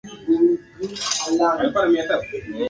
Mwaka mwaka elfu moja mia tisa tisini na tisa